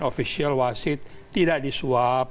ofisial wasit tidak disuap